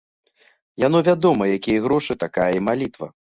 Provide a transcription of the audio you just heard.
Яно вядома, якія грошы, такая і малітва.